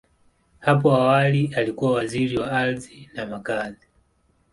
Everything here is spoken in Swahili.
Hapo awali, alikuwa Waziri wa Ardhi na Makazi.